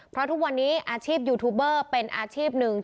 เพราะทุกวันนี้อาชีพยูทูบเบอร์เป็นอาชีพหนึ่ง